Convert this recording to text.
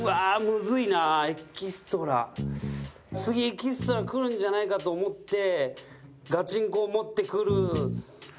次エキストラ来るんじゃないかと思ってガチンコを持ってくる。